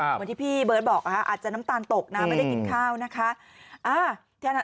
เหมือนที่พี่เบิร์ตบอกอาจจะน้ำตาลตกนะไม่ได้กินข้าวนะคะ